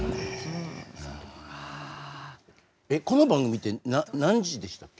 えっこの番組って何時でしたっけ？